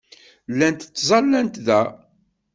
Llant ttẓallant da.